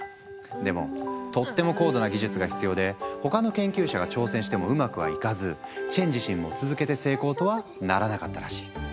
でもとっても高度な技術が必要で他の研究者が挑戦してもうまくはいかずチェン自身も続けて成功とはならなかったらしい。